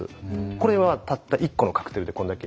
これはたった１個のカクテルでこんだけ。